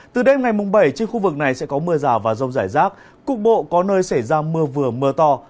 từ đêm ngày bảy trên khu vực này sẽ có mưa rào và rông rải rác cục bộ có nơi xảy ra mưa vừa mưa to